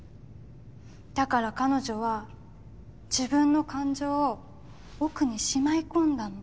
だから彼女は自分の感情を奥にしまいこんだの。